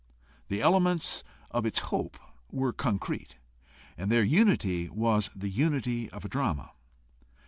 The elements of its hope were concrete and their unity was the unity of a drama.